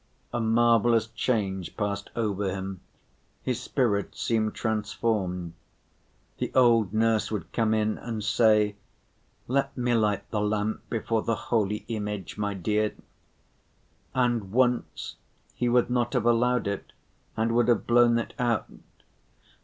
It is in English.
A marvelous change passed over him, his spirit seemed transformed. The old nurse would come in and say, "Let me light the lamp before the holy image, my dear." And once he would not have allowed it and would have blown it out.